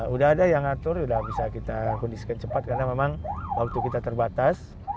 udah ada yang ngatur sudah bisa kita kondisikan cepat karena memang waktu kita terbatas